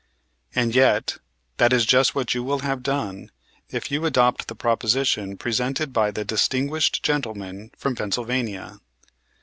"And yet that is just what you will have done if you adopt the proposition presented by the distinguished gentleman from Pennsylvania.